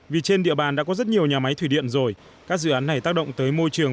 vì trên địa bàn đã có rất nhiều nhà máy thủy điện rồi các dự án này tác động tới môi trường